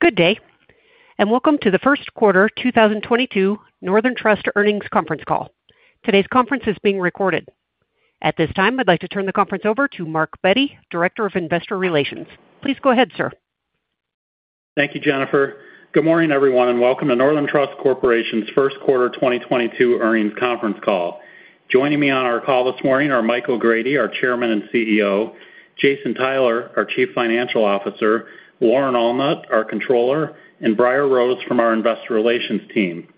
Good day, and welcome to the first quarter 2022 Northern Trust earnings conference call. Today's conference is being recorded. At this time, I'd like to turn the conference over to Mark Bette, Director of Investor Relations. Please go ahead, sir. Thank you, Jennifer. Good morning, everyone, and welcome to Northern Trust Corporation's first quarter 2022 earnings conference call. Joining me on our call this morning are Mike O'Grady, our Chairman and CEO, Jason Tyler, our Chief Financial Officer, Lauren Allnutt, our Controller, and Briar Rose from our investor relations team.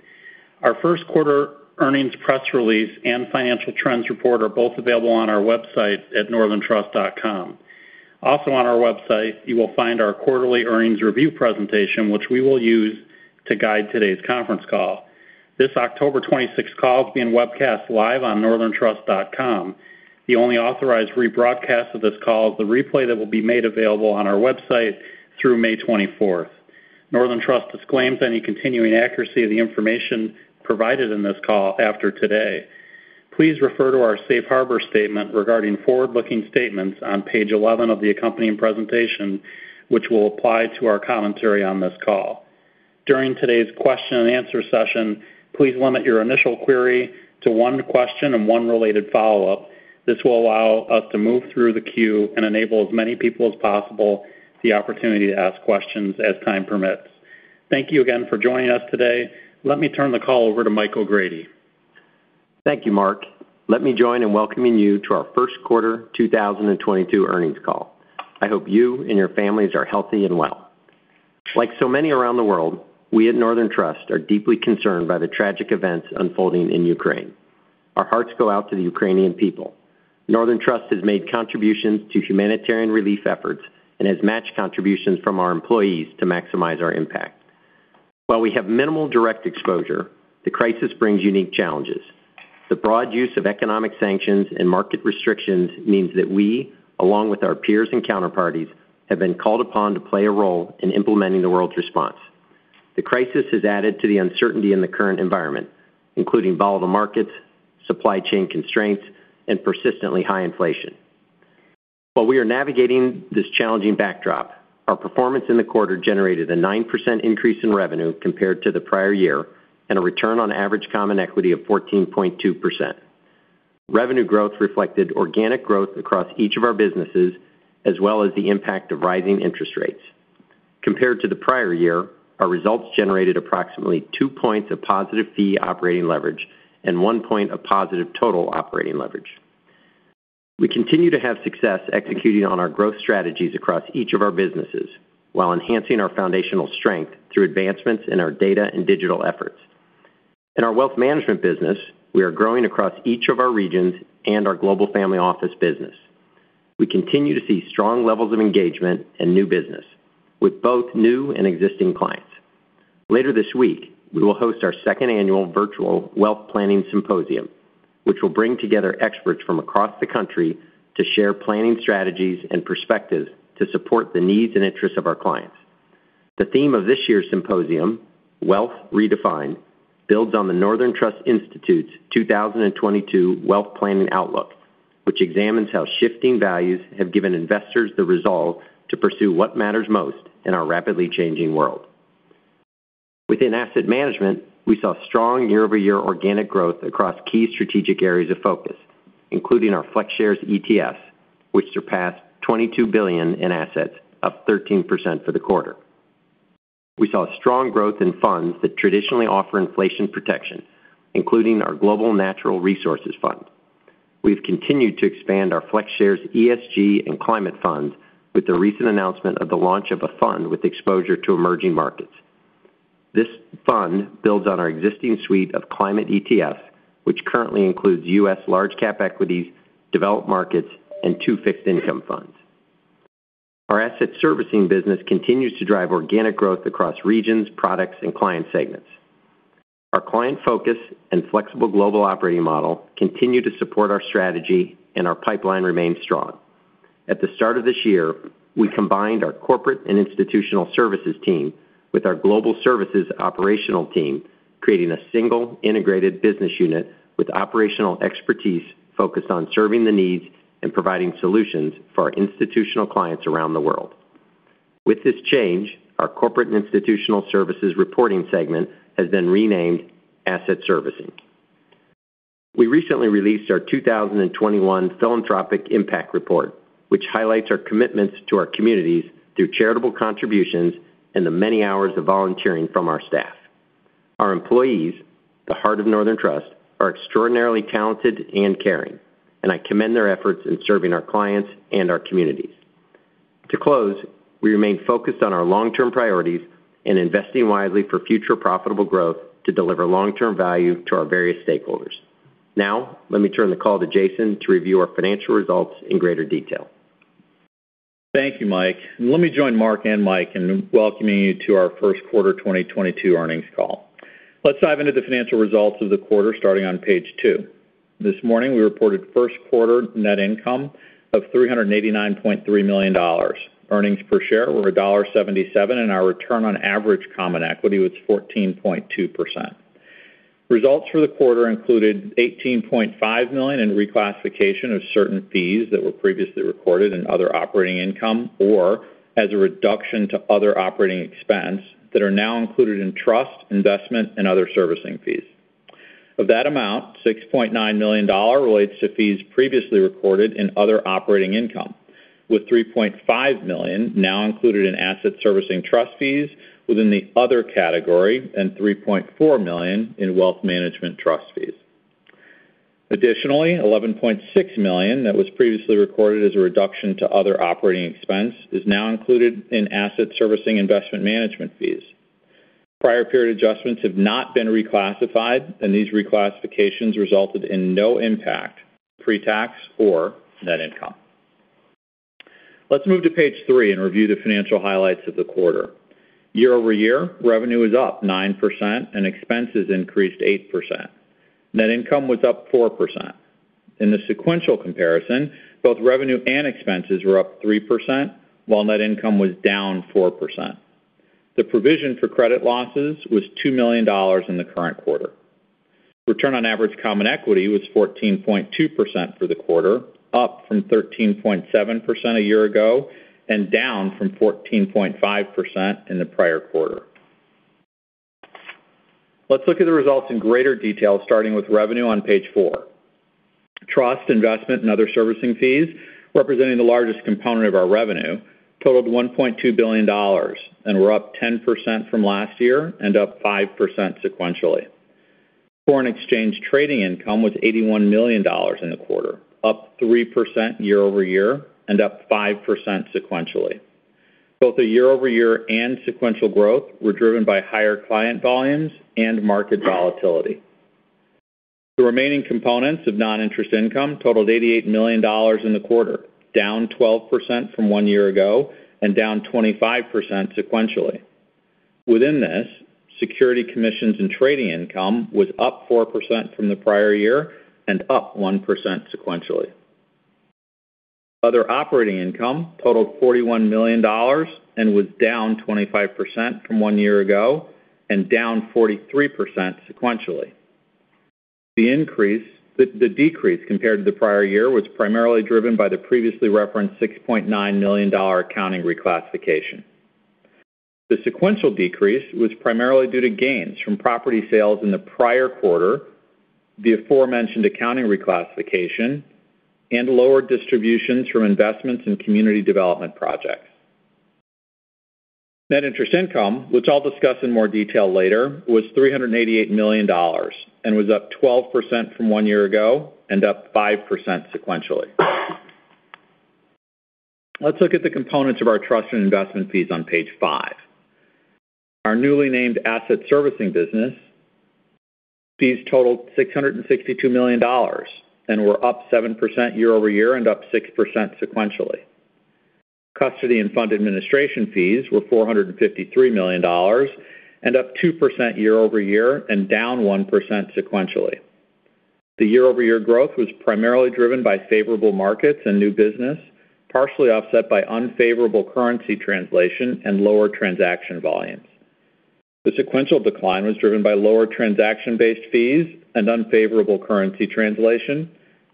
Our first quarter earnings press release and financial trends report are both available on our website at northerntrust.com. Also on our website, you will find our quarterly earnings review presentation, which we will use to guide today's conference call. This April 26 call is being webcast live on northerntrust.com. The only authorized rebroadcast of this call is the replay that will be made available on our website through May 24. Northern Trust disclaims any continuing accuracy of the information provided in this call after today. Please refer to our safe harbor statement regarding forward-looking statements on page 11 of the accompanying presentation, which will apply to our commentary on this call. During today's question and answer session, please limit your initial query to one question and one related follow-up. This will allow us to move through the queue and enable as many people as possible the opportunity to ask questions as time permits. Thank you again for joining us today. Let me turn the call over to Mike O'Grady. Thank you, Mark. Let me join in welcoming you to our first quarter 2022 earnings call. I hope you and your families are healthy and well. Like so many around the world, we at Northern Trust are deeply concerned by the tragic events unfolding in Ukraine. Our hearts go out to the Ukrainian people. Northern Trust has made contributions to humanitarian relief efforts and has matched contributions from our employees to maximize our impact. While we have minimal direct exposure, the crisis brings unique challenges. The broad use of economic sanctions and market restrictions means that we, along with our peers and counterparties, have been called upon to play a role in implementing the world's response. The crisis has added to the uncertainty in the current environment, including volatile markets, supply chain constraints, and persistently high inflation. While we are navigating this challenging backdrop, our performance in the quarter generated a 9% increase in revenue compared to the prior year and a return on average common equity of 14.2%. Revenue growth reflected organic growth across each of our businesses, as well as the impact of rising interest rates. Compared to the prior year, our results generated approximately 2 points of positive fee operating leverage and 1 point of positive total operating leverage. We continue to have success executing on our growth strategies across each of our businesses while enhancing our foundational strength through advancements in our data and digital efforts. In our wealth management business, we are growing across each of our regions and our Global Family Office business. We continue to see strong levels of engagement and new business with both new and existing clients. Later this week, we will host our second annual virtual wealth planning symposium, which will bring together experts from across the country to share planning strategies and perspectives to support the needs and interests of our clients. The theme of this year's symposium, Wealth Redefined, builds on the Northern Trust Institute's 2022 wealth planning outlook, which examines how shifting values have given investors the resolve to pursue what matters most in our rapidly changing world. Within asset management, we saw strong year-over-year organic growth across key strategic areas of focus, including our FlexShares ETFs, which surpassed $22 billion in assets, up 13% for the quarter. We saw strong growth in funds that traditionally offer inflation protection, including our Global Natural Resources Fund. We've continued to expand our FlexShares ESG and climate funds with the recent announcement of the launch of a fund with exposure to emerging markets. This fund builds on our existing suite of climate ETFs, which currently includes U.S. large-cap equities, developed markets, and two fixed income funds. Our asset servicing business continues to drive organic growth across regions, products, and client segments. Our client focus and flexible global operating model continue to support our strategy and our pipeline remains strong. At the start of this year, we combined our corporate and institutional services team with our global services operational team, creating a single integrated business unit with operational expertise focused on serving the needs and providing solutions for our institutional clients around the world. With this change, our corporate and institutional services reporting segment has been renamed Asset Servicing. We recently released our 2021 philanthropic impact report, which highlights our commitments to our communities through charitable contributions and the many hours of volunteering from our staff. Our employees, the heart of Northern Trust, are extraordinarily talented and caring, and I commend their efforts in serving our clients and our communities. To close, we remain focused on our long-term priorities and investing wisely for future profitable growth to deliver long-term value to our various stakeholders. Now, let me turn the call to Jason to review our financial results in greater detail. Thank you, Mike. Let me join Mark and Mike in welcoming you to our first quarter 2022 earnings call. Let's dive into the financial results of the quarter starting on page 2. This morning, we reported first quarter net income of $389.3 million. Earnings per share were $1.77, and our return on average common equity was 14.2%. Results for the quarter included $18.5 million in reclassification of certain fees that were previously recorded in other operating income, or as a reduction to other operating expense that are now included in trust, investment, and other servicing fees. Of that amount, $6.9 million relates to fees previously recorded in other operating income, with $3.5 million now included in Asset Servicing trust fees within the other category and $3.4 million in Wealth Management trust fees. Additionally, $11.6 million that was previously recorded as a reduction to other operating expense is now included in Asset Servicing investment management fees. Prior period adjustments have not been reclassified, and these reclassifications resulted in no impact to pretax or net income. Let's move to page 3 and review the financial highlights of the quarter. Year-over-year, revenue is up 9% and expenses increased 8%. Net income was up 4%. In the sequential comparison, both revenue and expenses were up 3%, while net income was down 4%. The provision for credit losses was $2 million in the current quarter. Return on average common equity was 14.2% for the quarter, up from 13.7% a year ago and down from 14.5% in the prior quarter. Let's look at the results in greater detail, starting with revenue on page four. Trust, investment, and other servicing fees, representing the largest component of our revenue, totaled $1.2 billion and were up 10% from last year and up 5% sequentially. Foreign exchange trading income was $81 million in the quarter, up 3% year over year and up 5% sequentially. Both the year over year and sequential growth were driven by higher client volumes and market volatility. The remaining components of non-interest income totaled $88 million in the quarter, down 12% from one year ago and down 25% sequentially. Within this, security commissions and trading income was up 4% from the prior year and up 1% sequentially. Other operating income totaled $41 million and was down 25% from one year ago and down 43% sequentially. The decrease compared to the prior year was primarily driven by the previously referenced $6.9 million accounting reclassification. The sequential decrease was primarily due to gains from property sales in the prior quarter, the aforementioned accounting reclassification, and lower distributions from investments in community development projects. Net interest income, which I'll discuss in more detail later, was $388 million and was up 12% from one year ago and up 5% sequentially. Let's look at the components of our trust and investment fees on page five. Our newly named Asset Servicing business fees totaled $662 million and were up 7% year-over-year and up 6% sequentially. Custody and fund administration fees were $453 million and up 2% year-over-year and down 1% sequentially. The year-over-year growth was primarily driven by favorable markets and new business, partially offset by unfavorable currency translation and lower transaction volumes. The sequential decline was driven by lower transaction-based fees and unfavorable currency translation,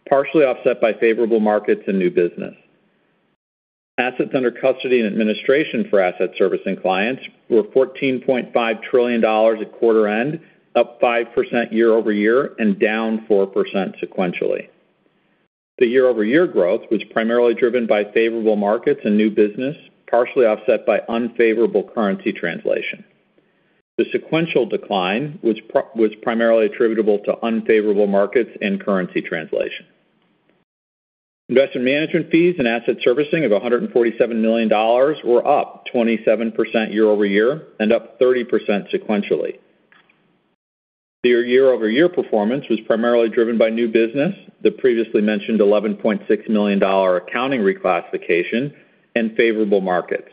partially offset by favorable markets and new business. Assets under custody and administration for Asset Servicing clients were $14.5 trillion at quarter end, up 5% year-over-year and down 4% sequentially. The year-over-year growth was primarily driven by favorable markets and new business, partially offset by unfavorable currency translation. The sequential decline was primarily attributable to unfavorable markets and currency translation. Investment management fees and asset servicing of $147 million were up 27% year-over-year and up 30% sequentially. The year-over-year performance was primarily driven by new business, the previously mentioned $11.6 million accounting reclassification, and favorable markets.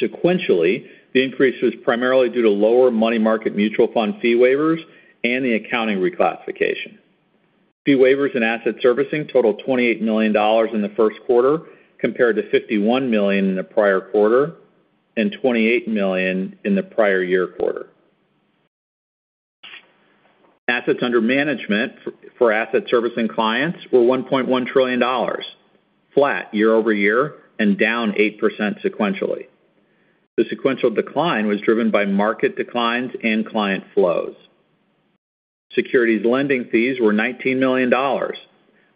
Sequentially, the increase was primarily due to lower money market mutual fund fee waivers and the accounting reclassification. Fee waivers and asset servicing totaled $28 million in the first quarter compared to $51 million in the prior quarter and $28 million in the prior year quarter. Assets under management for asset servicing clients were $1.1 trillion, flat year-over-year and down 8% sequentially. The sequential decline was driven by market declines and client flows. Securities lending fees were $19 million,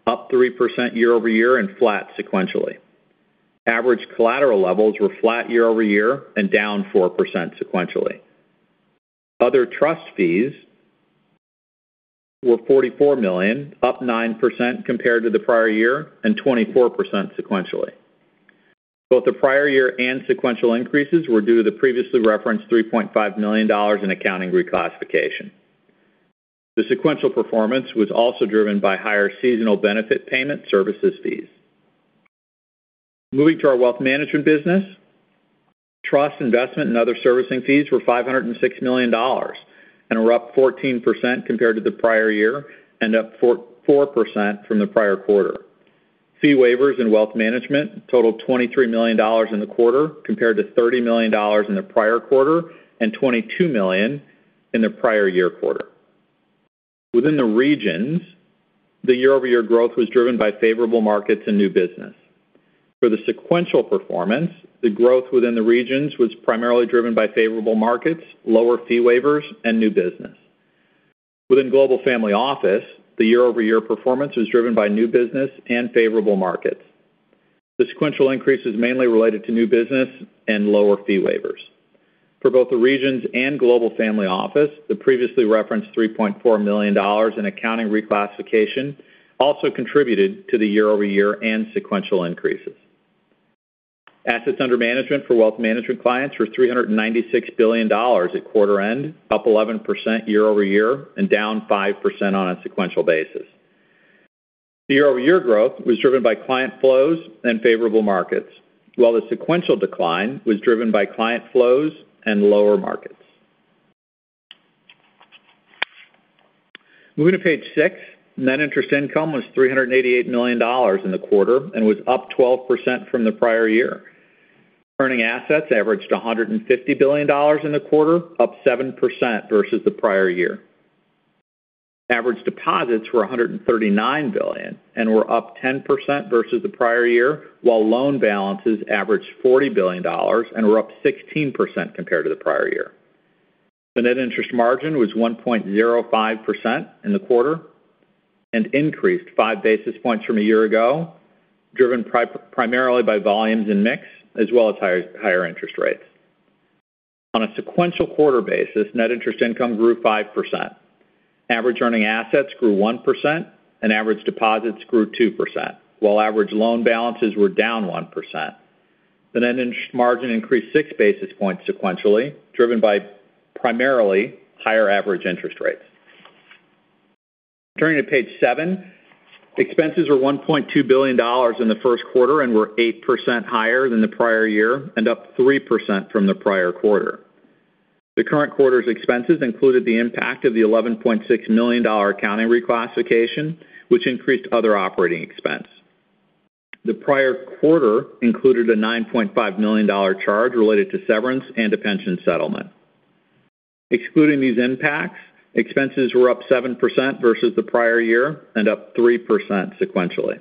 up 3% year-over-year and flat sequentially. Average collateral levels were flat year-over-year and down 4% sequentially. Other trust fees were $44 million, up 9% compared to the prior year and 24% sequentially. Both the prior year and sequential increases were due to the previously referenced $3.5 million in accounting reclassification. The sequential performance was also driven by higher seasonal benefit payment services fees. Moving to our wealth management business, trust, investment, and other servicing fees were $506 million and were up 14% compared to the prior year and up 4.4% from the prior quarter. Fee waivers in wealth management totaled $23 million in the quarter compared to $30 million in the prior quarter and $22 million in the prior year quarter. Within the regions, the year-over-year growth was driven by favorable markets and new business. For the sequential performance, the growth within the regions was primarily driven by favorable markets, lower fee waivers, and new business. Within Global Family Office, the year-over-year performance was driven by new business and favorable markets. The sequential increase is mainly related to new business and lower fee waivers. For both the regions and Global Family Office, the previously referenced $3.4 million in accounting reclassification also contributed to the year-over-year and sequential increases. Assets under management for wealth management clients were $396 billion at quarter end, up 11% year-over-year and down 5% on a sequential basis. The year-over-year growth was driven by client flows and favorable markets, while the sequential decline was driven by client flows and lower markets. Moving to page six. Net interest income was $388 million in the quarter and was up 12% from the prior year. Earning assets averaged $150 billion in the quarter, up 7% versus the prior year. Average deposits were $139 billion and were up 10% versus the prior year, while loan balances averaged $40 billion and were up 16% compared to the prior year. The net interest margin was 1.05% in the quarter and increased 5 basis points from a year ago, driven primarily by volumes and mix as well as higher interest rates. On a sequential quarter basis, net interest income grew 5%. Average earning assets grew 1% and average deposits grew 2%, while average loan balances were down 1%. The net interest margin increased six basis points sequentially, driven by primarily higher average interest rates. Turning to page seven. Expenses were $1.2 billion in the first quarter and were 8% higher than the prior year and up 3% from the prior quarter. The current quarter's expenses included the impact of the $11.6 million accounting reclassification, which increased other operating expense. The prior quarter included a $9.5 million charge related to severance and a pension settlement. Excluding these impacts, expenses were up 7% versus the prior year and up 3% sequentially.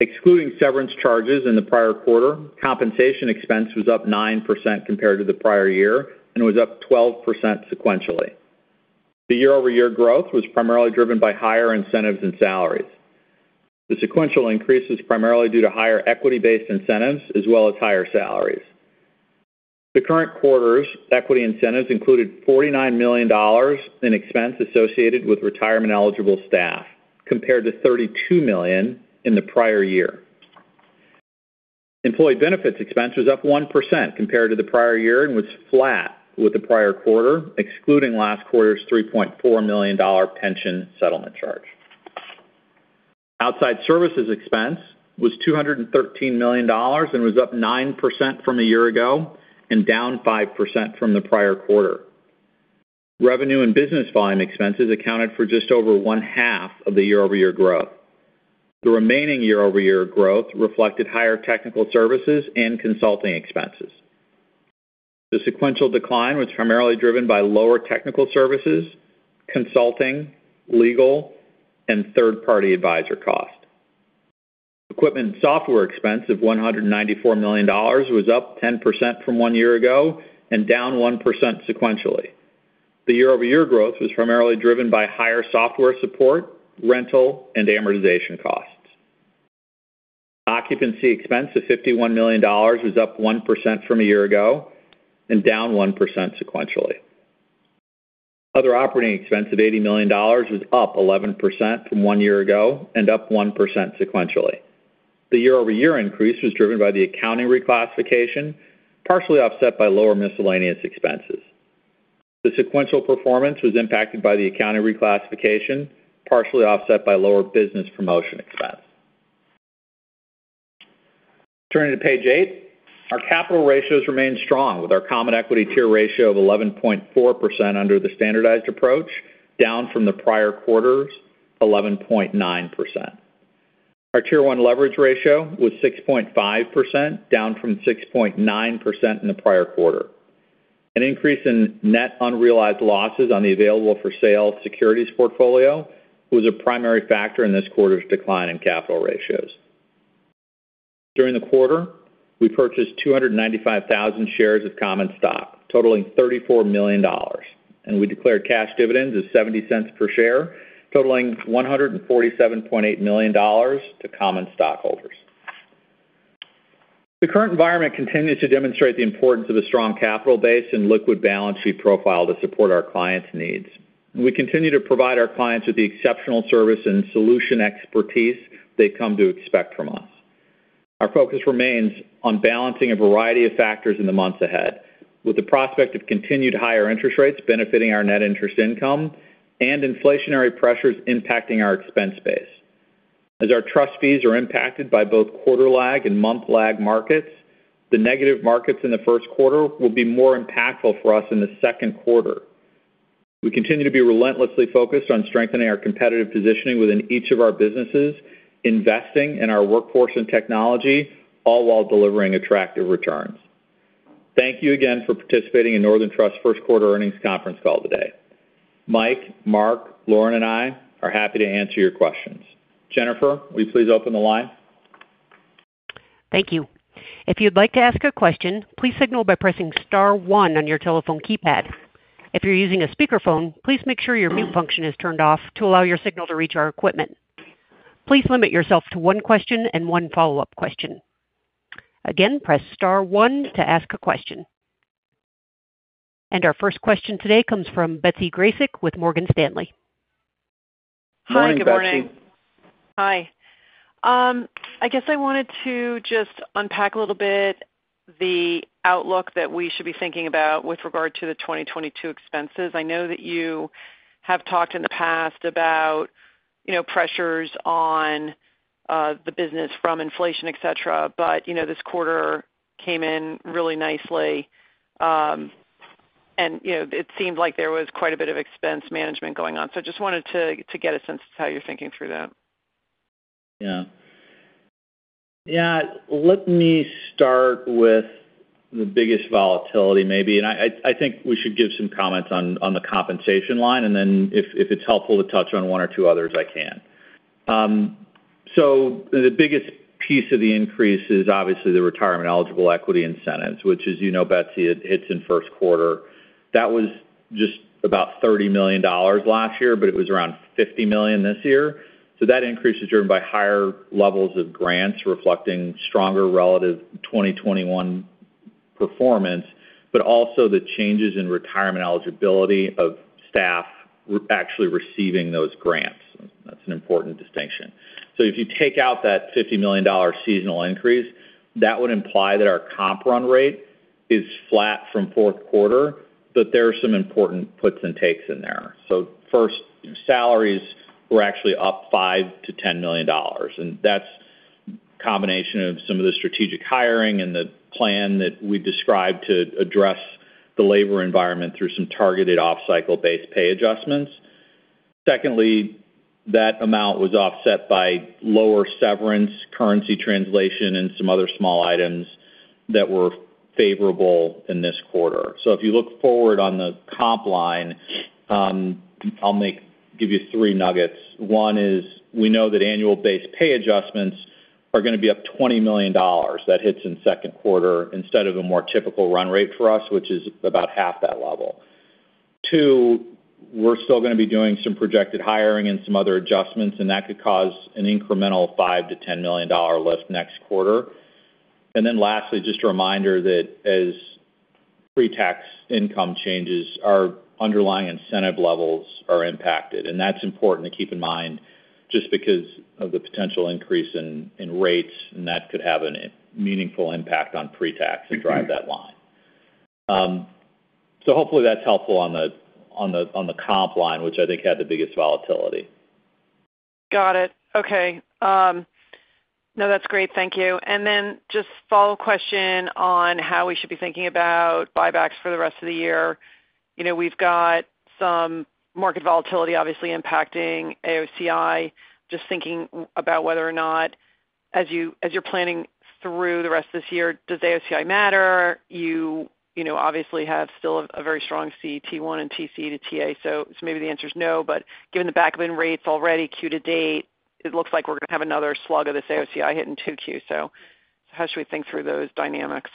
Excluding severance charges in the prior quarter, compensation expense was up 9% compared to the prior year and was up 12% sequentially. The year-over-year growth was primarily driven by higher incentives and salaries. The sequential increase is primarily due to higher equity-based incentives as well as higher salaries. The current quarter's equity incentives included $49 million in expense associated with retirement-eligible staff, compared to $32 million in the prior year. Employee benefits expense was up 1% compared to the prior year and was flat with the prior quarter, excluding last quarter's $3.4 million pension settlement charge. Outside services expense was $213 million and was up 9% from a year ago and down 5% from the prior quarter. Revenue and business volume expenses accounted for just over one half of the year-over-year growth. The remaining year-over-year growth reflected higher technical services and consulting expenses. The sequential decline was primarily driven by lower technical services, consulting, legal, and third-party advisor cost. Equipment and software expense of $194 million was up 10% from one year ago and down 1% sequentially. The year-over-year growth was primarily driven by higher software support, rental, and amortization costs. Occupancy expense of $51 million was up 1% from a year ago and down 1% sequentially. Other operating expense of $80 million was up 11% from one year ago and up 1% sequentially. The year-over-year increase was driven by the accounting reclassification, partially offset by lower miscellaneous expenses. The sequential performance was impacted by the accounting reclassification, partially offset by lower business promotion expense. Turning to page 8. Our capital ratios remain strong with our common equity tier ratio of 11.4% under the standardized approach, down from the prior quarter's 11.9%. Our Tier 1 leverage ratio was 6.5%, down from 6.9% in the prior quarter. An increase in net unrealized losses on the available-for-sale securities portfolio was a primary factor in this quarter's decline in capital ratios. During the quarter, we purchased 295,000 shares of common stock, totaling $34 million, and we declared cash dividends of $0.70 per share, totaling $147.8 million to common stockholders. The current environment continues to demonstrate the importance of a strong capital base and liquid balance sheet profile to support our clients' needs. We continue to provide our clients with the exceptional service and solution expertise they've come to expect from us. Our focus remains on balancing a variety of factors in the months ahead, with the prospect of continued higher interest rates benefiting our net interest income and inflationary pressures impacting our expense base. As our trust fees are impacted by both quarter lag and month lag markets, the negative markets in the first quarter will be more impactful for us in the second quarter. We continue to be relentlessly focused on strengthening our competitive positioning within each of our businesses, investing in our workforce and technology, all while delivering attractive returns. Thank you again for participating in Northern Trust first quarter earnings conference call today. Mike, Mark, Lauren, and I are happy to answer your questions. Jennifer, will you please open the line? Thank you. If you'd like to ask a question, please signal by pressing star one on your telephone keypad. If you're using a speakerphone, please make sure your mute function is turned off to allow your signal to reach our equipment. Please limit yourself to one question and one follow-up question. Again, press star one to ask a question. Our first question today comes from Betsy Graseck with Morgan Stanley. Morning, Betsy. Hi, good morning. I guess I wanted to just unpack a little bit the outlook that we should be thinking about with regard to the 2022 expenses. I know that you have talked in the past about, you know, pressures on the business from inflation, et cetera, but, you know, this quarter came in really nicely. You know, it seemed like there was quite a bit of expense management going on. Just wanted to get a sense of how you're thinking through that. Yeah. Yeah, let me start with the biggest volatility maybe. I think we should give some comments on the compensation line, and then if it's helpful to touch on one or two others, I can. The biggest piece of the increase is obviously the retirement eligible equity incentives, which as you know, Betsy, it hits in first quarter. That was just about $30 million last year, but it was around $50 million this year. That increase is driven by higher levels of grants reflecting stronger relative 2021 performance, but also the changes in retirement eligibility of staff actually receiving those grants. That's an important distinction. If you take out that $50 million seasonal increase, that would imply that our comp run rate is flat from fourth quarter, but there are some important puts and takes in there. First, salaries were actually up $5 million-$10 million, and that's combination of some of the strategic hiring and the plan that we described to address the labor environment through some targeted off-cycle base pay adjustments. Secondly, that amount was offset by lower severance currency translation and some other small items that were favorable in this quarter. If you look forward on the comp line, I'll give you three nuggets. One is we know that annual base pay adjustments are gonna be up $20 million. That hits in second quarter instead of a more typical run rate for us, which is about half that level. Two, we're still gonna be doing some projected hiring and some other adjustments, and that could cause an incremental $5 million-$10 million lift next quarter. Then lastly, just a reminder that as pre-tax income changes, our underlying incentive levels are impacted. That's important to keep in mind just because of the potential increase in rates, and that could have a meaningful impact on pre-tax and drive that line. Hopefully that's helpful on the comp line, which I think had the biggest volatility. Got it. Okay. No, that's great. Thank you. Then just follow-up question on how we should be thinking about buybacks for the rest of the year. You know, we've got some market volatility obviously impacting AOCI. Just thinking about whether or not as you, as you're planning through the rest of this year, does AOCI matter? You know, obviously have still a very strong CET1 and TC to TA. So maybe the answer is no. Given the back end rates already Q2 to date, it looks like we're gonna have another slug of this AOCI hit in 2Q. How should we think through those dynamics?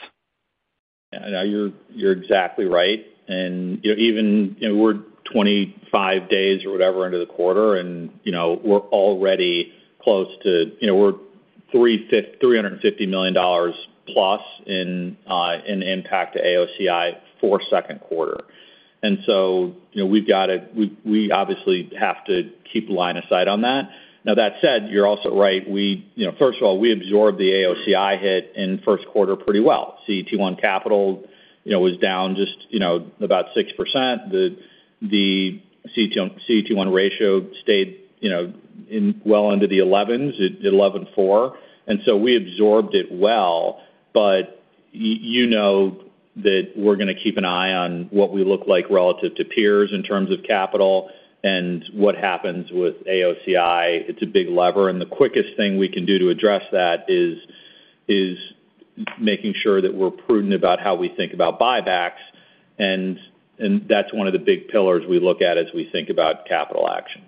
Yeah, you're exactly right. Even, you know, we're 25 days or whatever into the quarter, and, you know, we're already close to, you know, we're three hundred and fifty million dollars plus in impact to AOCI for second quarter. You know, we've got to, we obviously have to keep line of sight on that. Now, that said, you're also right. You know, first of all, we absorbed the AOCI hit in first quarter pretty well. CET1 capital, you know, was down just, you know, about 6%. The CET1 ratio stayed, you know, well into the elevens, at 11.4. We absorbed it well. You know that we're gonna keep an eye on what we look like relative to peers in terms of capital and what happens with AOCI. It's a big lever, and the quickest thing we can do to address that is making sure that we're prudent about how we think about buybacks, and that's one of the big pillars we look at as we think about capital actions.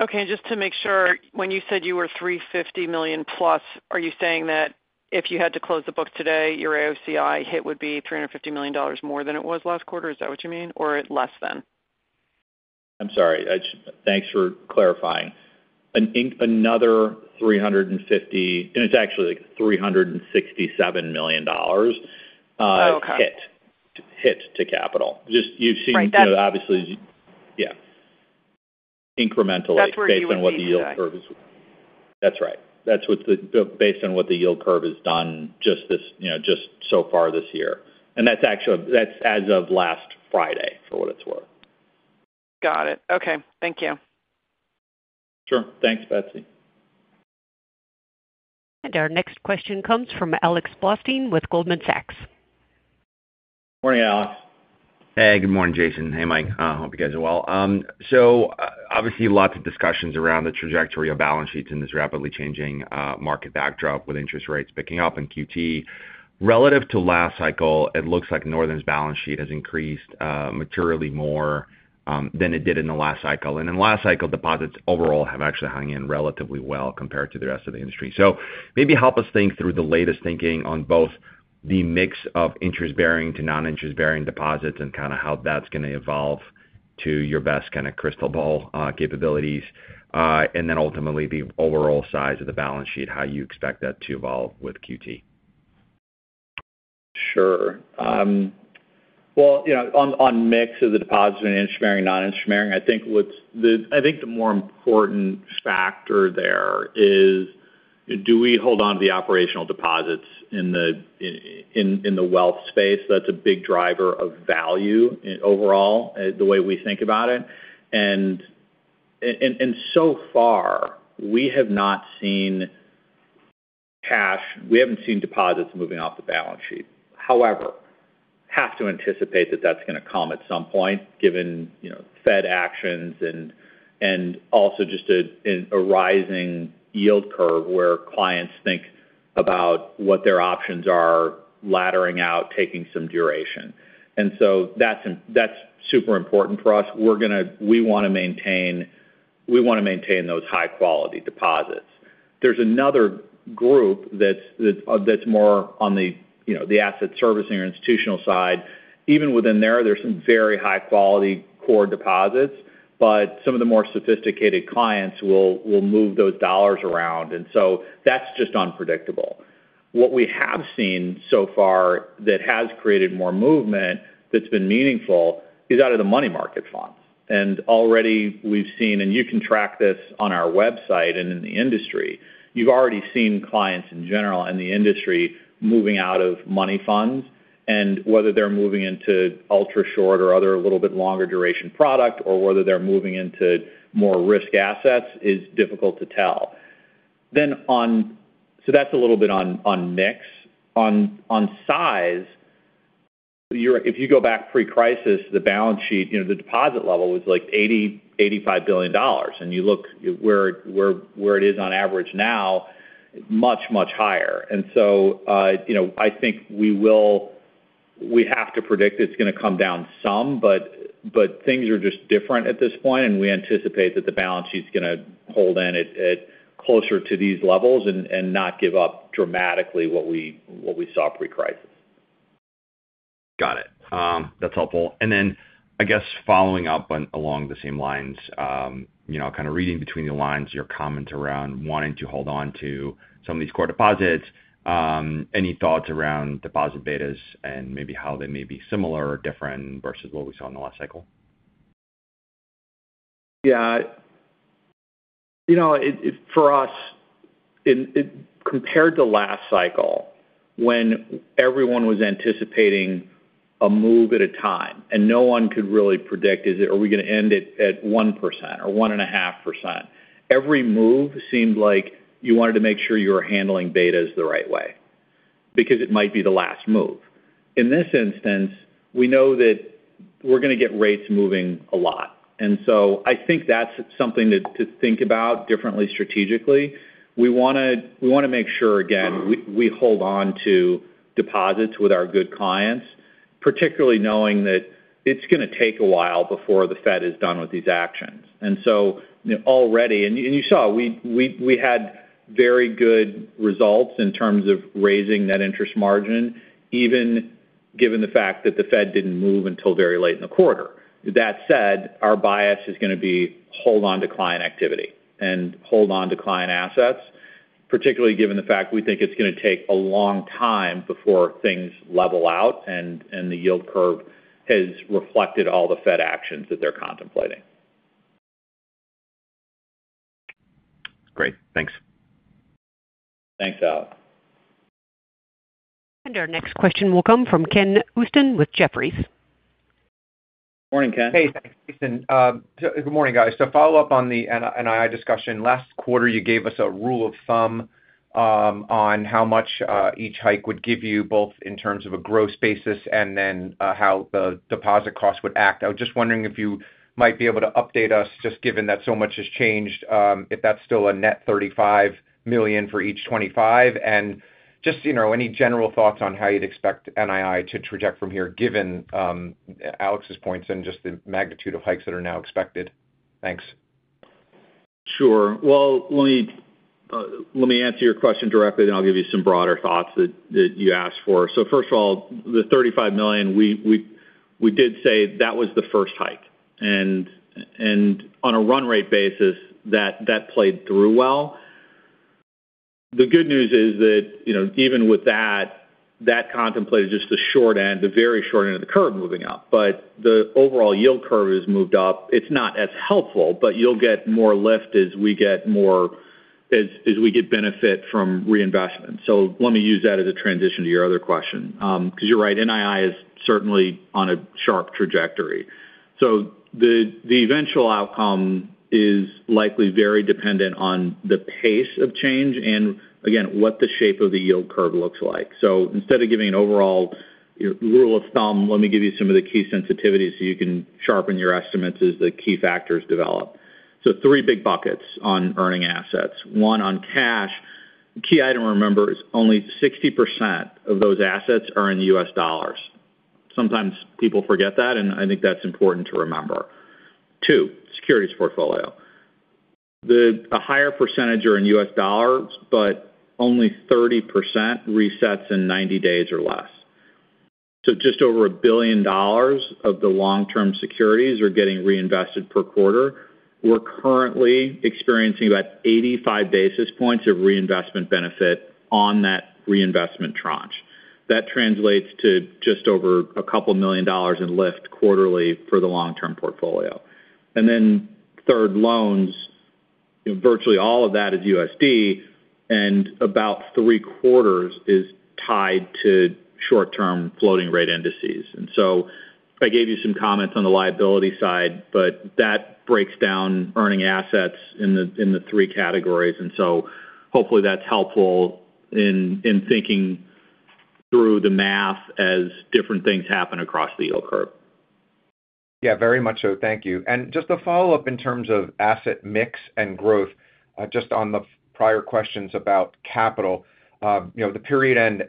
Okay, just to make sure, when you said you were $350 million plus, are you saying that if you had to close the books today, your AOCI hit would be $350 million more than it was last quarter? Is that what you mean? Or less than? I'm sorry. Thanks for clarifying. Another $350 million, and it's actually $367 million. Okay. Hit to capital. Just you've seen. Right. You know, obviously, yeah. Incrementally. That's where you would be today. Based on what the yield curve is. That's right. That's what it's based on what the yield curve has done just this, you know, just so far this year. That's actually as of last Friday, for what it's worth. Got it. Okay. Thank you. Sure. Thanks, Betsy. Our next question comes from Alex Blostein with Goldman Sachs. Morning, Alex. Hey, good morning, Jason. Hey, Mike. Hope you guys are well. Obviously, lots of discussions around the trajectory of balance sheets in this rapidly changing market backdrop with interest rates picking up in QT. Relative to last cycle, it looks like Northern's balance sheet has increased materially more than it did in the last cycle. In last cycle, deposits overall have actually hung in relatively well compared to the rest of the industry. Maybe help us think through the latest thinking on both the mix of interest-bearing to non-interest-bearing deposits and kinda how that's gonna evolve to your best kinda crystal ball capabilities. Then ultimately, the overall size of the balance sheet, how you expect that to evolve with QT. Sure. Well, you know, on mix of the deposit and interest-bearing, non-interest-bearing, I think the more important factor there is do we hold on to the operational deposits in the wealth space? That's a big driver of value overall, the way we think about it. So far, we have not seen cash. We haven't seen deposits moving off the balance sheet. However, we have to anticipate that that's gonna come at some point, given, you know, Fed actions and also just a rising yield curve where clients think about what their options are, laddering out, taking some duration. So that's super important for us. We're gonna wanna maintain those high-quality deposits. There's another group that's more on the, you know, the Asset Servicing or institutional side. Even within there's some very high quality core deposits, but some of the more sophisticated clients will move those dollars around. That's just unpredictable. What we have seen so far that has created more movement that's been meaningful is out of the money market funds. Already we've seen, and you can track this on our website and in the industry, you've already seen clients in general in the industry moving out of money funds, and whether they're moving into ultra-short or other little bit longer duration product or whether they're moving into more risk assets is difficult to tell. So that's a little bit on mix. On size, if you go back pre-crisis, the balance sheet, you know, the deposit level was like $80-$85 billion. You look where it is on average now, much higher. You know, I think we have to predict it's gonna come down some, but things are just different at this point, and we anticipate that the balance sheet's gonna hold in at closer to these levels and not give up dramatically what we saw pre-crisis. Got it. That's helpful. I guess following up, along the same lines, you know, kind of reading between the lines, your comments around wanting to hold on to some of these core deposits, any thoughts around deposit betas and maybe how they may be similar or different versus what we saw in the last cycle? Yeah. You know, it for us, it compared to last cycle, when everyone was anticipating a move at a time and no one could really predict, are we gonna end it at 1% or 1.5%? Every move seemed like you wanted to make sure you were handling betas the right way because it might be the last move. In this instance, we know that we're gonna get rates moving a lot. I think that's something to think about differently strategically. We wanna make sure, again, we hold on to deposits with our good clients, particularly knowing that it's gonna take a while before the Fed is done with these actions. You know, already. You saw we had very good results in terms of raising net interest margin, even given the fact that the Fed didn't move until very late in the quarter. That said, our bias is gonna be hold on to client activity and hold on to client assets, particularly given the fact we think it's gonna take a long time before things level out and the yield curve has reflected all the Fed actions that they're contemplating. Great. Thanks. Thanks, Alex. Our next question will come from Ken Usdin with Jefferies. Morning, Ken. Hey, thanks, Jason. Good morning, guys. To follow up on the NII discussion, last quarter, you gave us a rule of thumb on how much each hike would give you, both in terms of a gross basis and then how the deposit costs would act. I was just wondering if you might be able to update us just given that so much has changed, if that's still a net $35 million for each 25. You know, any general thoughts on how you'd expect NII to trajectory from here, given Alex's points and just the magnitude of hikes that are now expected. Thanks. Sure. Well, let me answer your question directly, then I'll give you some broader thoughts that you asked for. First of all, the $35 million, we did say that was the first hike. On a run rate basis, that played through well. The good news is that, you know, even with that contemplated just the short end, the very short end of the curve moving up. The overall yield curve has moved up. It's not as helpful, but you'll get more lift as we get benefit from reinvesting. Let me use that as a transition to your other question, 'cause you're right, NII is certainly on a sharp trajectory. The eventual outcome is likely very dependent on the pace of change and again, what the shape of the yield curve looks like. Instead of giving an overall rule of thumb, let me give you some of the key sensitivities so you can sharpen your estimates as the key factors develop. Three big buckets on earning assets. One, on cash. The key item to remember is only 60% of those assets are in U.S. dollars. Sometimes people forget that, and I think that's important to remember. Two, securities portfolio. A higher percentage are in U.S. dollars, but only 30% resets in 90 days or less. Just over $1 billion of the long-term securities are getting reinvested per quarter. We're currently experiencing about 85 basis points of reinvestment benefit on that reinvestment tranche. That translates to just over $2 million in lift quarterly for the long-term portfolio. Then third, loans. Virtually all of that is USD, and about three-quarters is tied to short-term floating rate indices. I gave you some comments on the liability side, but that breaks down earning assets in the three categories. Hopefully that's helpful in thinking through the math as different things happen across the yield curve. Yeah, very much so. Thank you. Just a follow-up in terms of asset mix and growth, just on the prior questions about capital. You know, the period-end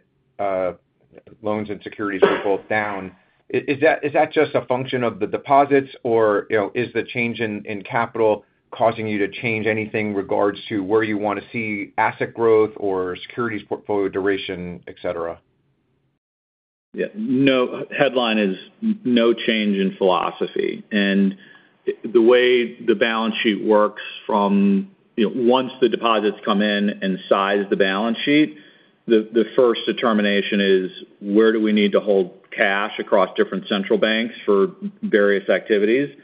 loans and securities were both down. Is that just a function of the deposits or, you know, is the change in capital causing you to change anything in regards to where you wanna see asset growth or securities portfolio duration, et cetera? Yeah, no. Headline is no change in philosophy. The way the balance sheet works from. You know, once the deposits come in and size the balance sheet, the first determination is where do we need to hold cash across different central banks for various activities.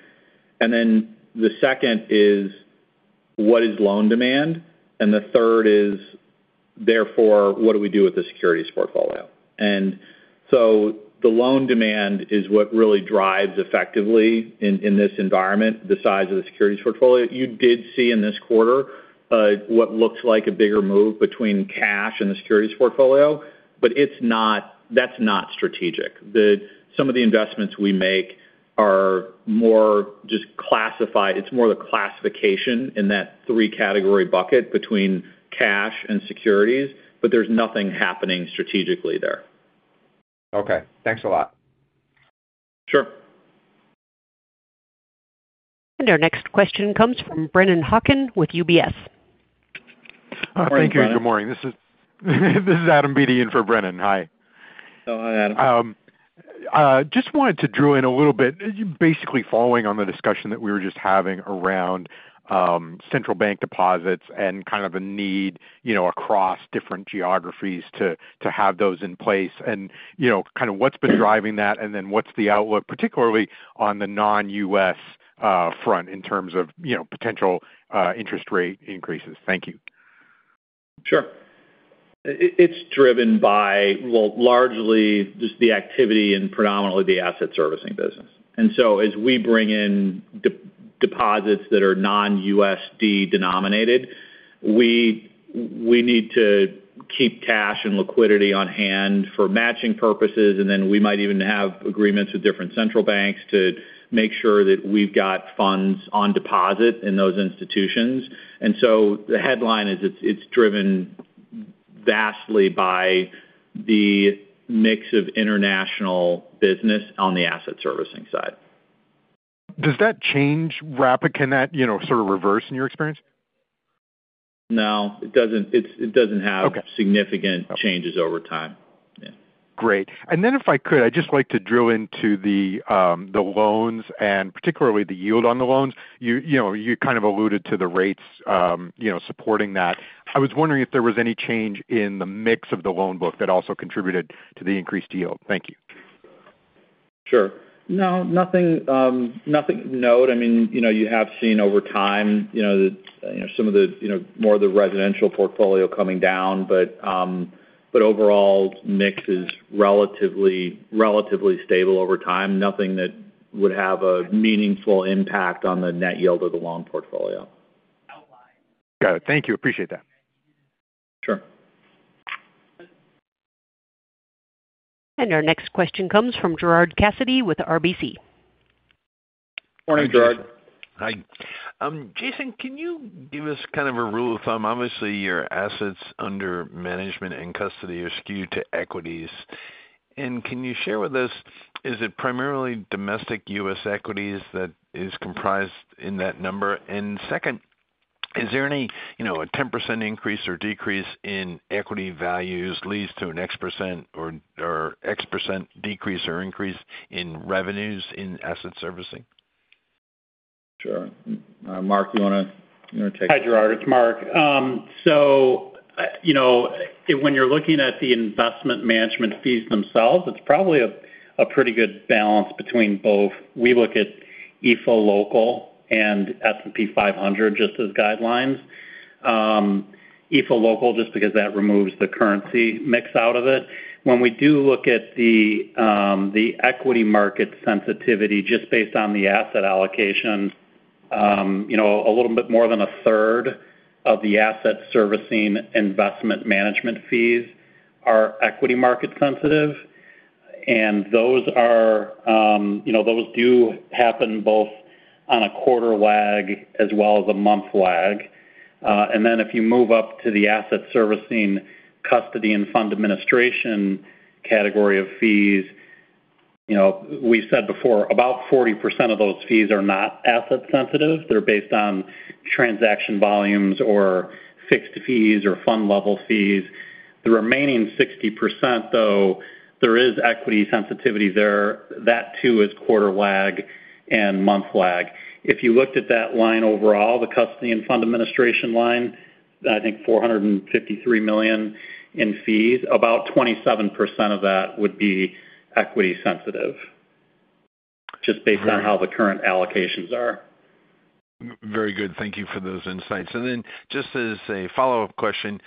Then the second is what is loan demand. The third is, therefore, what do we do with the securities portfolio. The loan demand is what really drives effectively in this environment the size of the securities portfolio. You did see in this quarter what looks like a bigger move between cash and the securities portfolio, but it's not. That's not strategic. Some of the investments we make are more just classified. It's more the classification in that three category bucket between cash and securities, but there's nothing happening strategically there. Okay, thanks a lot. Sure. Our next question comes from Brennan Hawken with UBS. Thank you. Good morning. This is Adam Beatty in for Brennan. Hi. Hi, Adam. Just wanted to drill in a little bit, basically following on the discussion that we were just having around central bank deposits and kind of a need, you know, across different geographies to have those in place. You know, kind of what's been driving that, and then what's the outlook, particularly on the non-U.S. front in terms of, you know, potential interest rate increases. Thank you. Sure. It's driven by, well, largely just the activity in predominantly the Asset Servicing business. As we bring in deposits that are non-USD denominated, we need to keep cash and liquidity on hand for matching purposes, and then we might even have agreements with different central banks to make sure that we've got funds on deposit in those institutions. The headline is it's driven vastly by the mix of international business on the Asset Servicing side. Does that change rapidly? Can that, you know, sort of reverse in your experience? No, it doesn't. It doesn't have. Okay. significant changes over time. Yeah. Great. Then if I could, I'd just like to drill into the loans and particularly the yield on the loans. You know, you kind of alluded to the rates, you know, supporting that. I was wondering if there was any change in the mix of the loan book that also contributed to the increased yield. Thank you. Sure. No, nothing to note. I mean, you know, you have seen over time, you know, the, you know, some of the, you know, more of the residential portfolio coming down, but overall mix is relatively stable over time. Nothing that would have a meaningful impact on the net yield of the loan portfolio. Got it. Thank you. Appreciate that. Sure. Our next question comes from Gerard Cassidy with RBC. Morning, Gerard. Hi. Jason, can you give us kind of a rule of thumb? Obviously, your assets under management and custody are skewed to equities. Can you share with us, is it primarily domestic U.S. equities that is comprised in that number? Second, is there any a 10% increase or decrease in equity values leads to an X% or X% decrease or increase in revenues in asset servicing? Sure. Mark, you wanna take this? Hi, Gerard, it's Mark. You know, when you're looking at the investment management fees themselves, it's probably a pretty good balance between both. We look at EAFE local and S&P 500 just as guidelines. EAFE local, just because that removes the currency mix out of it. When we do look at the equity market sensitivity just based on the asset allocation, you know, a little bit more than a third of the Asset Servicing Investment Management fees are equity market sensitive. Those are, you know, those do happen both on a quarter lag as well as a month lag. If you move up to the Asset Servicing custody and fund administration category of fees, you know, we said before, about 40% of those fees are not asset sensitive. They're based on transaction volumes or fixed fees or fund level fees. The remaining 60%, though, there is equity sensitivity there. That too is quarter lag and month lag. If you looked at that line overall, the custody and fund administration line, I think $453 million in fees, about 27% of that would be equity sensitive just based on how the current allocations are. Very good. Thank you for those insights. Just as a follow-up question,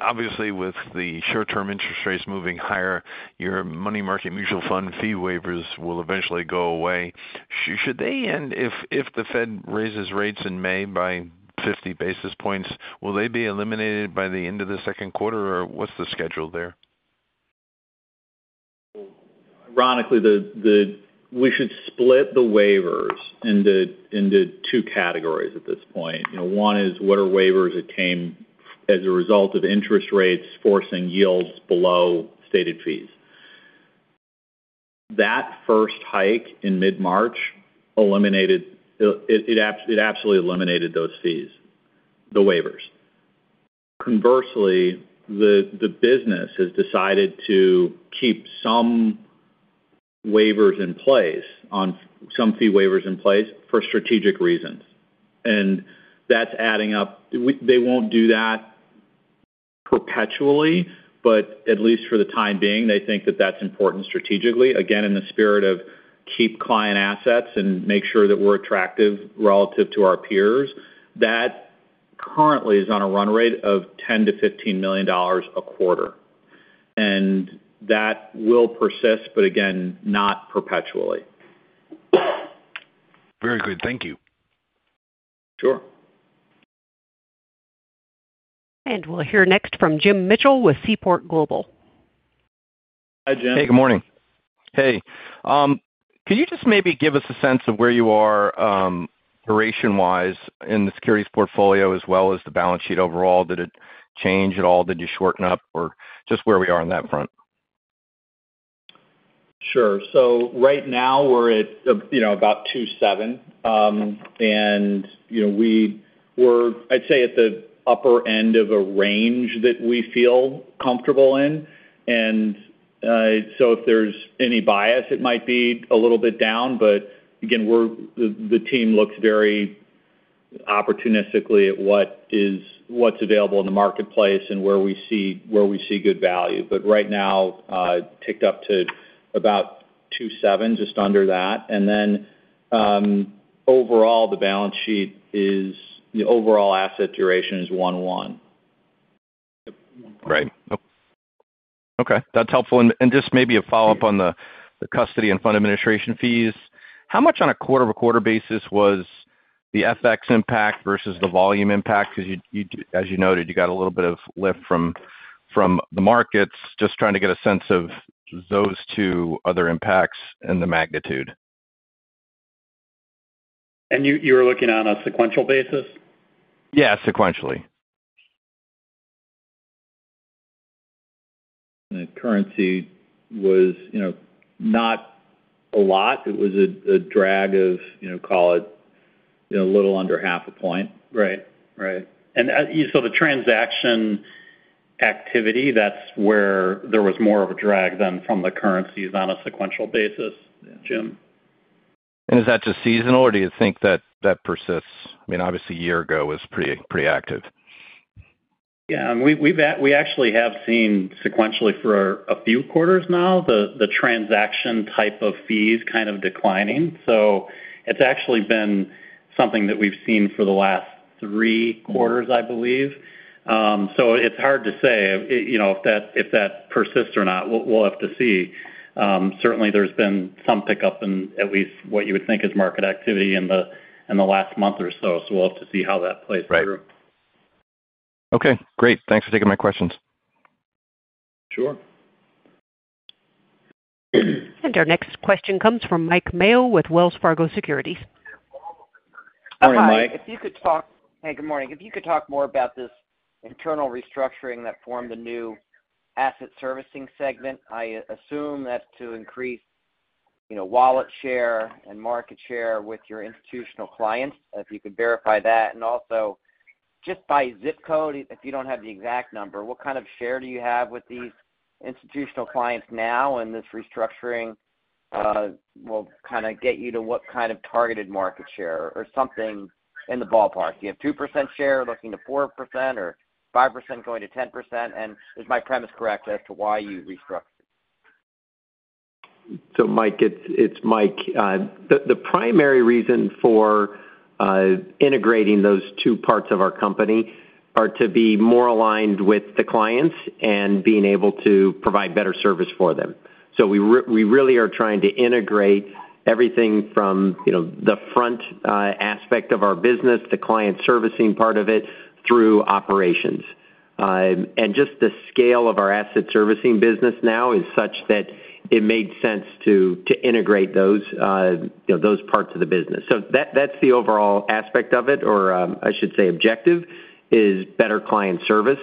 obviously with the short-term interest rates moving higher, your money market mutual fund fee waivers will eventually go away. Should they end if the Fed raises rates in May by 50 basis points, will they be eliminated by the end of the second quarter? Or what's the schedule there? Ironically, we should split the waivers into two categories at this point. You know, one is what are waivers that came as a result of interest rates forcing yields below stated fees. That first hike in mid-March eliminated it absolutely eliminated those fees, the waivers. Conversely, the business has decided to keep some waivers in place some fee waivers in place for strategic reasons. That's adding up. They won't do that perpetually, but at least for the time being, they think that that's important strategically. Again, in the spirit of keep client assets and make sure that we're attractive relative to our peers. That currently is on a run rate of $10 million-$15 million a quarter. That will persist, but again, not perpetually. Very good. Thank you. Sure. We'll hear next from Jim Mitchell with Seaport Global. Hi, Jim. Hey, good morning. Hey. Can you just maybe give us a sense of where you are, duration-wise in the securities portfolio as well as the balance sheet overall? Did it change at all? Did you shorten up or just where we are on that front? Sure. Right now we're at, you know, about 2.7. You know, we were, I'd say, at the upper end of a range that we feel comfortable in. If there's any bias, it might be a little bit down. Again, the team looks very opportunistically at what's available in the marketplace and where we see good value. Right now, ticked up to about 2.7, just under that. Overall, the balance sheet is. The overall asset duration is 1.1. Right. Okay, that's helpful. Just maybe a follow-up on the custody and fund administration fees. How much on a quarter-over-quarter basis was the FX impact versus the volume impact? Because you as you noted, you got a little bit of lift from the markets. Just trying to get a sense of those two other impacts and the magnitude. You were looking on a sequential basis? Yeah, sequentially. The currency was, you know, not a lot. It was a drag of, you know, call it, you know, a little under half a point. Right. Right. The transaction activity, that's where there was more of a drag than from the currencies on a sequential basis, Jim. Is that just seasonal or do you think that persists? I mean, obviously, a year ago was pretty active. Yeah. We actually have seen sequentially for a few quarters now, the transaction type of fees kind of declining. It's actually been something that we've seen for the last three quarters, I believe. It's hard to say, you know, if that persists or not. We'll have to see. Certainly there's been some pickup in at least what you would think is market activity in the last month or so. We'll have to see how that plays through. Right. Okay, great. Thanks for taking my questions. Sure. Our next question comes from Mike Mayo with Wells Fargo Securities. Hi, Mike. If you could talk. Hey, good morning. If you could talk more about this internal restructuring that formed the new Asset Servicing segment. I assume that's to increase, you know, wallet share and market share with your institutional clients, if you could verify that. Also just by ZIP code, if you don't have the exact number, what kind of share do you have with these institutional clients now, and this restructuring will kind of get you to what kind of targeted market share or something in the ballpark? Do you have 2% share looking to 4% or 5% going to 10%? Is my premise correct as to why you restructured? Mike, it's Mike. The primary reason for integrating those two parts of our company are to be more aligned with the clients and being able to provide better service for them. We really are trying to integrate everything from you know the front aspect of our business, the client servicing part of it through operations. Just the scale of our Asset Servicing business now is such that it made sense to integrate those parts of the business. That's the overall aspect of it or I should say objective is better client service.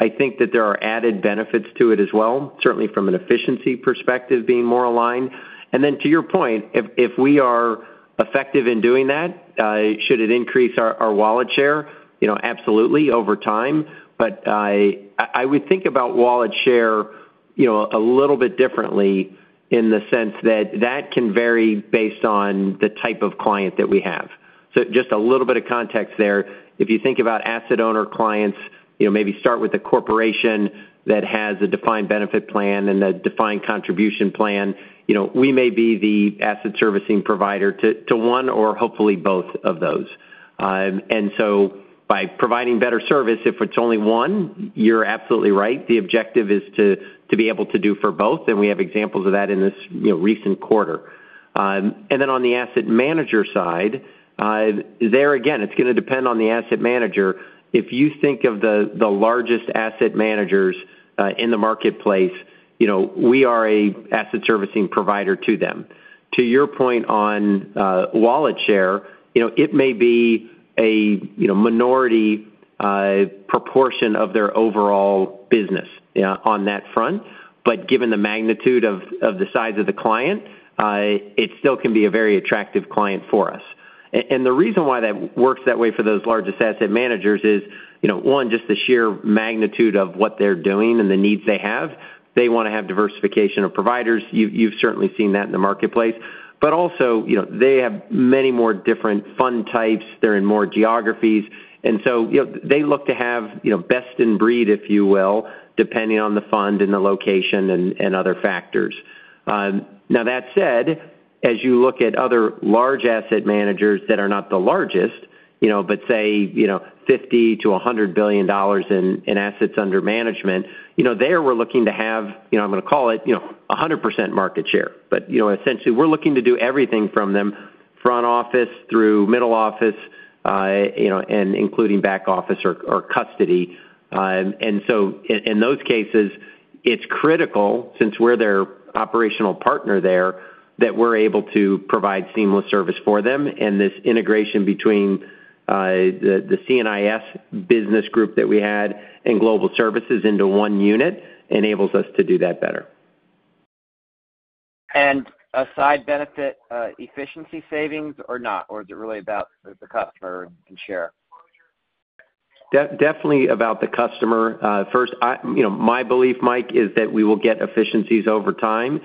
I think that there are added benefits to it as well, certainly from an efficiency perspective, being more aligned. To your point, if we are effective in doing that, should it increase our wallet share? You know, absolutely over time. I would think about wallet share, you know, a little bit differently in the sense that that can vary based on the type of client that we have. Just a little bit of context there. If you think about asset owner clients, you know, maybe start with a corporation that has a defined benefit plan and a defined contribution plan. You know, we may be the Asset Servicing provider to one or hopefully both of those. By providing better service, if it's only one, you're absolutely right, the objective is to be able to do for both, and we have examples of that in this, you know, recent quarter. On the asset manager side, there again, it's gonna depend on the asset manager. If you think of the largest asset managers in the marketplace, we are an Asset Servicing provider to them. To your point on wallet share, it may be a minority proportion of their overall business on that front. Given the magnitude of the size of the client, it still can be a very attractive client for us. The reason why that works that way for those largest asset managers is one, just the sheer magnitude of what they're doing and the needs they have. They wanna have diversification of providers. You've certainly seen that in the marketplace. Also, they have many more different fund types. They're in more geographies. You know, they look to have, you know, best in breed, if you will, depending on the fund and the location and other factors. Now that said, as you look at other large asset managers that are not the largest, you know, but say, you know, $50 billion-$100 billion in assets under management, you know, there we're looking to have, you know, I'm gonna call it, you know, 100% market share. But, you know, essentially, we're looking to do everything from them, front office through middle office, you know, and including back office or custody. In those cases, it's critical since we're their operational partner there, that we're able to provide seamless service for them. This integration between the C&IS business group that we had and global services into one unit enables us to do that better. A side benefit, efficiency savings or not? Is it really about the customer and share? Definitely about the customer. First, you know, my belief, Mike, is that we will get efficiencies over time.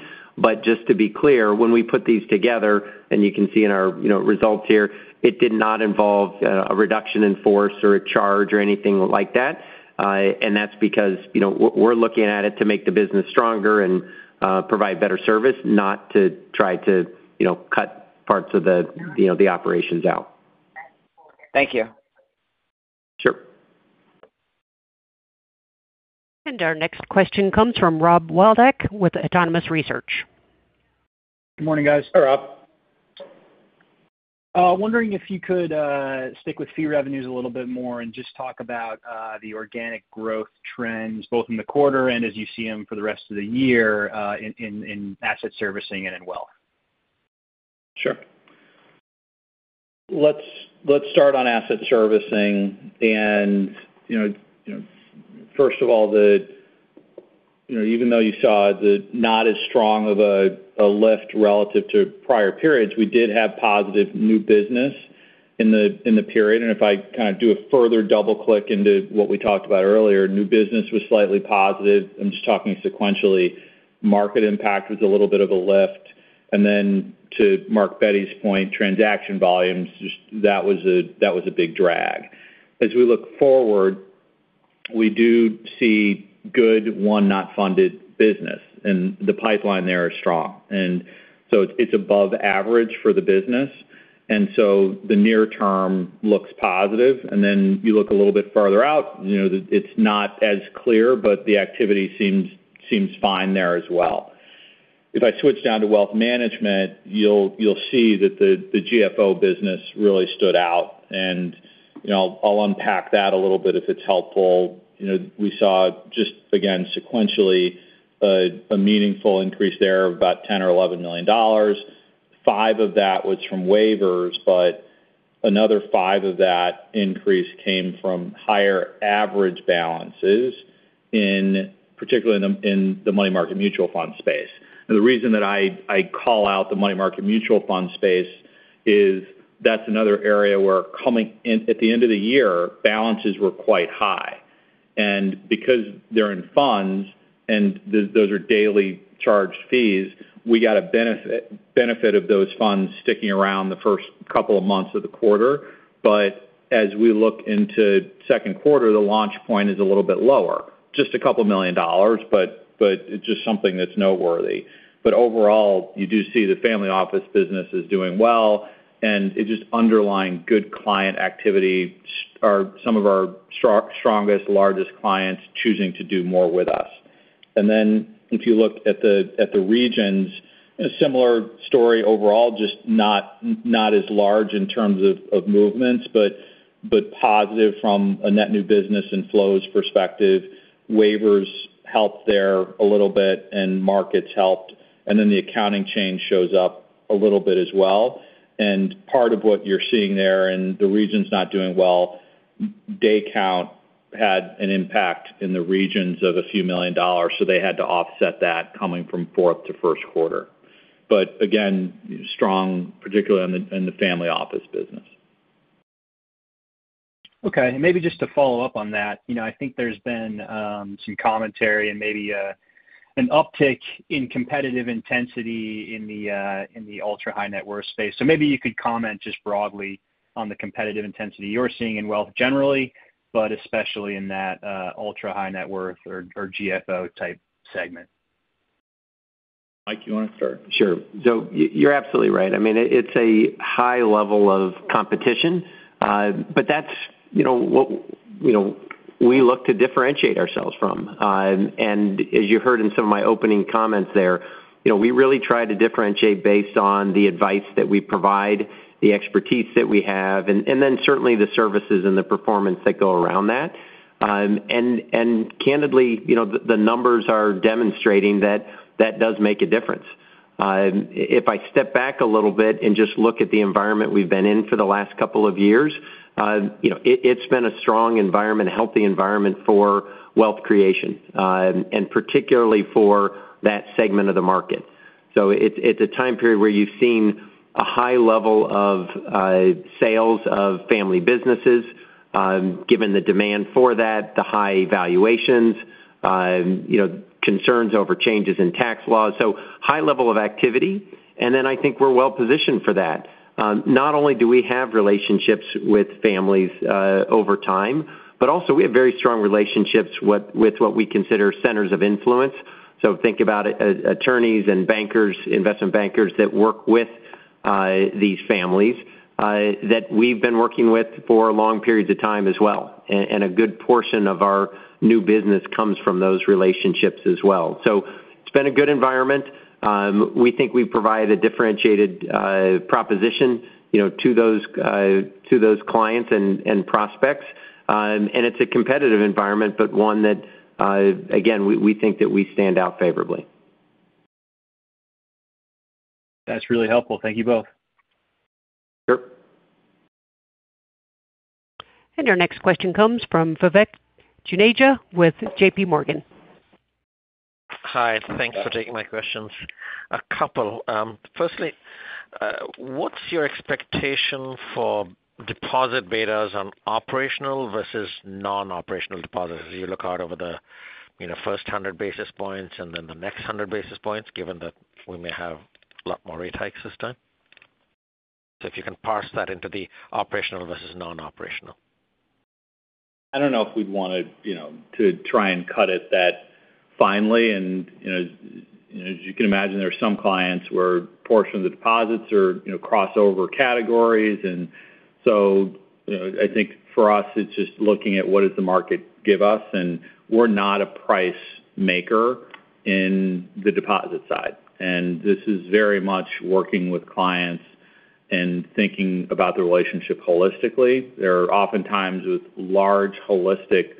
Just to be clear, when we put these together, and you can see in our, you know, results here, it did not involve a reduction in force or a charge or anything like that. That's because, you know, we're looking at it to make the business stronger and provide better service, not to try to, you know, cut parts of the, you know, the operations out. Thank you. Sure. Our next question comes from Rob Wildhack with Autonomous Research. Good morning, guys. Hey, Rob. Wondering if you could stick with fee revenues a little bit more and just talk about the organic growth trends both in the quarter and as you see them for the rest of the year in Asset Servicing and in Wealth. Sure. Let's start on Asset Servicing. You know, first of all, even though you saw not as strong of a lift relative to prior periods, we did have positive new business in the period. If I kind of do a further double click into what we talked about earlier, new business was slightly positive. I'm just talking sequentially. Market impact was a little bit of a lift. To Mark Bette's point, transaction volumes, just that was a big drag. As we look forward, we do see good unfunded business, and the pipeline there is strong. It's above average for the business. The near term looks positive. Then you look a little bit further out, you know, it's not as clear, but the activity seems fine there as well. If I switch down to wealth management, you'll see that the GFO business really stood out, and, you know, I'll unpack that a little bit if it's helpful. You know, we saw just again, sequentially, a meaningful increase there of about $10 million-$11 million. $5 million of that was from waivers, but another $5 million of that increase came from higher average balances in, particularly in, the money market mutual fund space. The reason that I call out the money market mutual fund space is that's another area where coming in at the end of the year, balances were quite high. Because they're in funds and those are daily charged fees, we got a benefit of those funds sticking around the first couple of months of the quarter. As we look into second quarter, the launch point is a little bit lower. Just $2 million, but it's just something that's noteworthy. Overall, you do see the family office business is doing well, and it's just underlying good client activity. Some of our strongest, largest clients choosing to do more with us. Then if you look at the regions, a similar story overall, just not as large in terms of movements, but positive from a net new business and flows perspective. Waivers helped there a little bit, and markets helped, and then the accounting change shows up a little bit as well. Part of what you're seeing there in the regions not doing well, day count had an impact in the regions of $ a few million, so they had to offset that coming from fourth to first quarter. Again, strong, particularly in the family office business. Okay. Maybe just to follow up on that, you know, I think there's been some commentary and maybe an uptick in competitive intensity in the ultra-high-net-worth space. Maybe you could comment just broadly on the competitive intensity you're seeing in wealth generally, but especially in that ultra-high-net-worth or GFO type segment. Mike, you wanna start? Sure. You're absolutely right. I mean, it's a high level of competition. That's, you know, what we look to differentiate ourselves from. As you heard in some of my opening comments there, you know, we really try to differentiate based on the advice that we provide, the expertise that we have, and then certainly the services and the performance that go around that. Candidly, you know, the numbers are demonstrating that that does make a difference. If I step back a little bit and just look at the environment we've been in for the last couple of years, you know, it's been a strong environment, a healthy environment for wealth creation, and particularly for that segment of the market. It's a time period where you've seen a high level of sales of family businesses, given the demand for that, the high valuations, you know, concerns over changes in tax laws. High level of activity, and then I think we're well-positioned for that. Not only do we have relationships with families over time, but also we have very strong relationships with what we consider centers of influence. Think about attorneys and bankers, investment bankers that work with these families that we've been working with for long periods of time as well. A good portion of our new business comes from those relationships as well. It's been a good environment. We think we provide a differentiated proposition, you know, to those clients and prospects. It's a competitive environment, but one that, again, we think that we stand out favorably. That's really helpful. Thank you both. Sure. Our next question comes from Vivek Juneja with J.P. Morgan. Hi. Thanks for taking my questions. A couple. Firstly, what's your expectation for deposit betas on operational versus non-operational deposits as you look out over the, you know, first 100 basis points and then the next 100 basis points, given that we may have a lot more rate hikes this time? If you can parse that into the operational versus non-operational. I don't know if we'd want to, you know, to try and cut it that finely. You know, as you can imagine, there are some clients where portion of the deposits are, you know, crossover categories. You know, I think for us, it's just looking at what does the market give us. We're not a price maker in the deposit side. This is very much working with clients and thinking about the relationship holistically. There are oftentimes with large holistic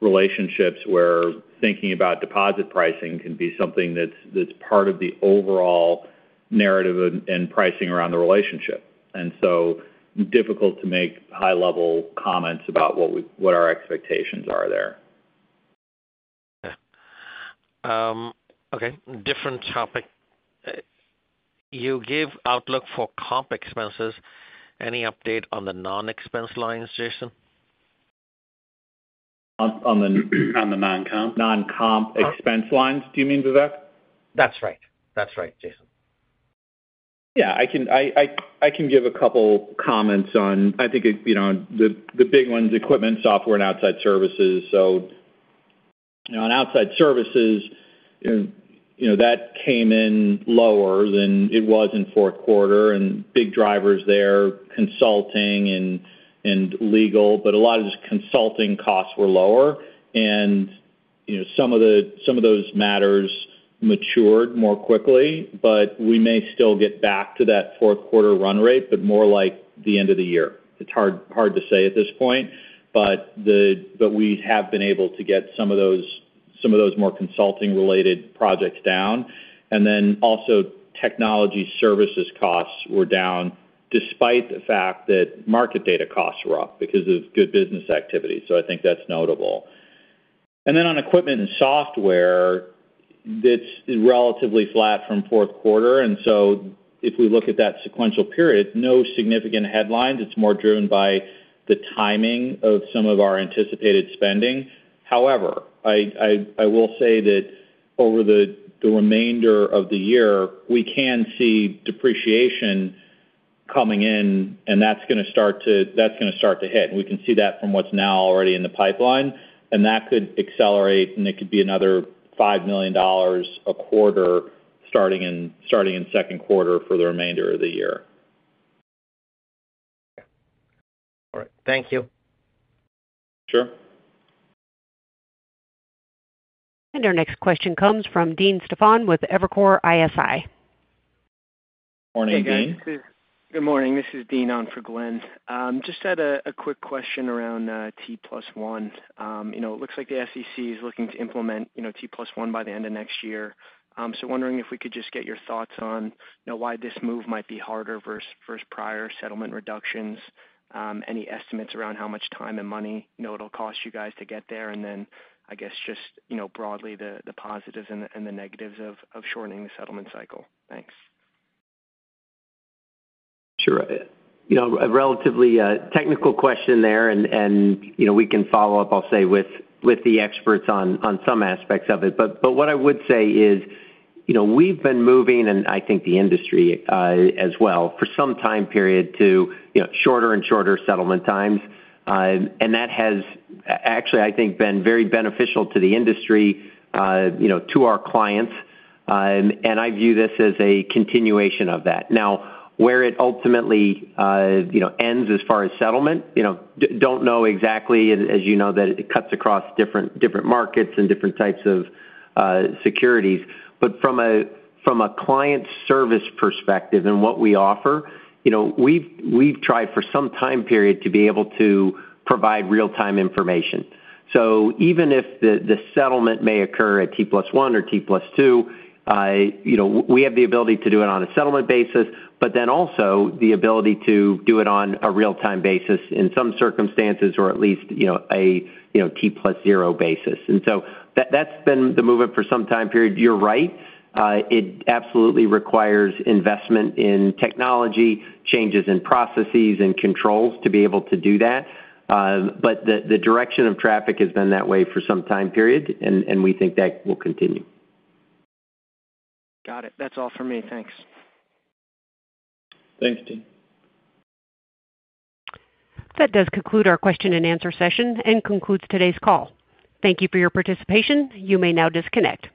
relationships where thinking about deposit pricing can be something that's part of the overall narrative and pricing around the relationship. Difficult to make high-level comments about what our expectations are there. Yeah. Okay. Different topic. You gave outlook for comp expenses. Any update on the non-expense lines, Jason? On the non-comp expense lines, do you mean, Vivek? That's right, Jason. Yeah. I can give a couple comments on I think you know the big ones, equipment, software, and outside services. You know, on outside services, you know, that came in lower than it was in fourth quarter. Big drivers there, consulting and legal, but a lot of those consulting costs were lower. You know, some of those matters matured more quickly, but we may still get back to that fourth quarter run rate, but more like the end of the year. It's hard to say at this point, but we have been able to get some of those more consulting-related projects down. Then also technology services costs were down despite the fact that market data costs were up because of good business activity. I think that's notable. on equipment and software. That's relatively flat from fourth quarter. If we look at that sequential period, no significant headlines. It's more driven by the timing of some of our anticipated spending. However, I will say that over the remainder of the year, we can see depreciation coming in, and that's gonna start to hit. We can see that from what's now already in the pipeline, and that could accelerate, and it could be another $5 million a quarter starting in second quarter for the remainder of the year. All right. Thank you. Sure. Our next question comes from Dane Stephan with Evercore ISI. Morning, Dean. Hey, guys. Good morning. This is Dean on for Glenn. I just had a quick question around T+1. You know, it looks like the SEC is looking to implement T+1 by the end of next year. Wondering if we could just get your thoughts on why this move might be harder versus prior settlement reductions. Any estimates around how much time and money it'll cost you guys to get there? Then, I guess, just broadly, the positives and the negatives of shortening the settlement cycle. Thanks. Sure. You know, a relatively technical question there and, you know, we can follow up, I'll say, with the experts on some aspects of it. What I would say is, you know, we've been moving, and I think the industry as well, for some time period to shorter and shorter settlement times. That has actually, I think, been very beneficial to the industry, you know, to our clients. I view this as a continuation of that. Now, where it ultimately ends as far as settlement, you know, don't know exactly. As you know, that it cuts across different markets and different types of securities. From a client service perspective and what we offer, you know, we've tried for some time period to be able to provide real-time information. Even if the settlement may occur at T+1 or T+2, you know, we have the ability to do it on a settlement basis, but then also the ability to do it on a real-time basis in some circumstances, or at least a T+0 basis. That's been the movement for some time period. You're right, it absolutely requires investment in technology, changes in processes and controls to be able to do that. The direction of traffic has been that way for some time period, and we think that will continue. Got it. That's all for me. Thanks. Thanks, Dean. That does conclude our question and answer session and concludes today's call. Thank you for your participation. You may now disconnect.